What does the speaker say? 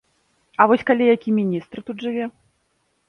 А вось калі які міністр тут жыве?